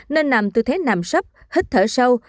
nên nằm tư thế nằm sấp hít thở sâu